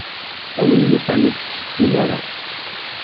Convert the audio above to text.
A win yufan, ur d-ttcetkim ara.